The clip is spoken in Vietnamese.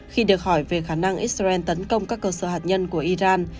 khi được hỏi về khả năng israel tấn công các cơ sở hạt nhân của iran